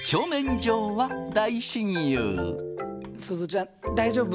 すずちゃん大丈夫？